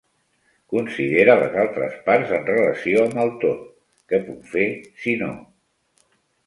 Considere les altres parts en relació amb el tot; què puc fer si no?